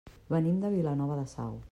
Venim de Vilanova de Sau.